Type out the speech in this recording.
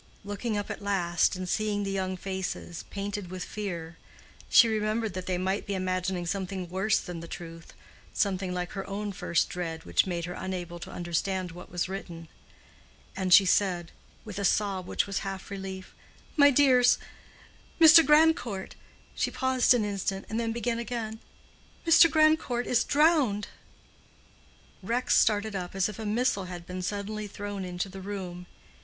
Looking up at last and seeing the young faces "painted with fear," she remembered that they might be imagining something worse than the truth, something like her own first dread which made her unable to understand what was written, and she said, with a sob which was half relief, "My dears, Mr. Grandcourt—" She paused an instant, and then began again, "Mr. Grandcourt is drowned." Rex started up as if a missile had been suddenly thrown into the room.